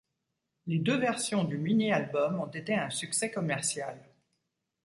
Les deux versions du mini-album ont été un succès commercial.